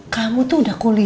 kamu tuh udah kuliah